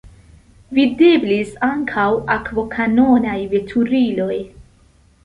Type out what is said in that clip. Videblis ankaŭ akvokanonaj veturiloj.